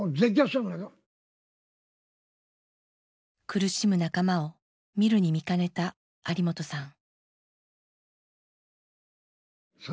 苦しむ仲間を見るに見かねた有元さん。